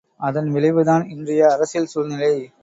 அதன் விளைவுதான் இன்றைய அரசியல் சூழ்நிலை.